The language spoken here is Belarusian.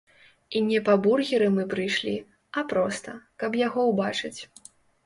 І не па бургеры мы прыйшлі, а проста, каб яго ўбачыць.